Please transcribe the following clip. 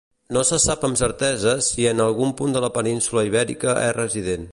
No se sap amb certesa si en algun punt de la península Ibèrica és resident.